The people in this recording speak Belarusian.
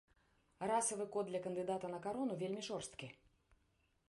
Расавы код для кандыдата на карону вельмі жорсткі.